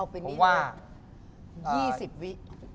เพราะว่า๒๐วิ